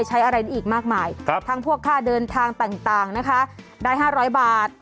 ใช้เมียได้ตลอด